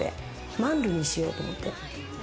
マンルにしようと思って。